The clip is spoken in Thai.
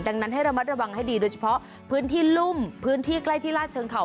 ดังนั้นให้ระมัดระวังให้ดีโดยเฉพาะพื้นที่รุ่มพื้นที่ใกล้ที่ลาดเชิงเขา